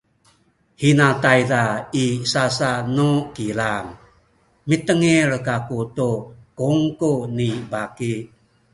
hina tayza i sasa nu kilang mitengil kaku tu kungku ni baki